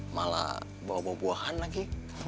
malah bawa buah buahan lagi